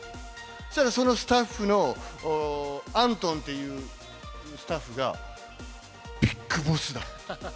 そしたら、そのスタッフのアントンっていうスタッフが、ビッグボスだ。